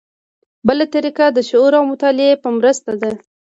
بله طریقه د شعور او مطالعې په مرسته ده.